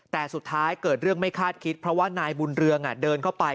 แต่สุดท้ายเกิดเรื่องไม่คาดคิดเพราะว่านายบุญเรืองเดินเข้าไป